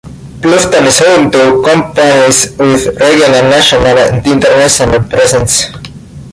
Bluffton is home to companies with regional, national, and international presences.